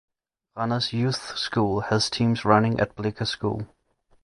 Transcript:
Randers Youth School has teams running at Blicher School.